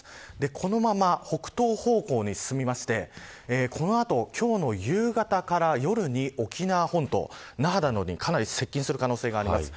このまま北東方向に進みましてこの後、今日の夕方から夜に沖縄本島、那覇などにかなり接近する可能性があります。